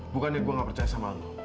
bukannya gue gak percaya sama lo